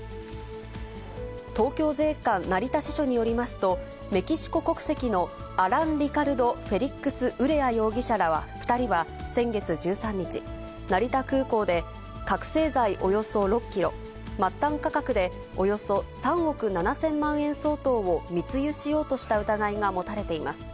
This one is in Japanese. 東京税関成田ししょによりますと、メキシコ国籍のアラン・リカルド・フェリックス・ウレア容疑者ら２人は先月１３日、成田空港で覚醒剤およそ６キロ、末端価格でおよそ３億７０００万円相当を密輸しようとした疑いが持たれています。